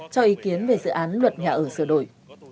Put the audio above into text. cho ý kiến về dự án luật nhà ở sửa đổi